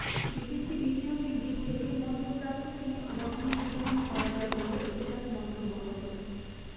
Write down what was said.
বিদেশি বিনিয়োগের দিক থেকে মধ্যপ্রাচ্যকে লক্ষ্য নির্ধারণ করা যায় বলে এরশাদ মন্তব্য করেন।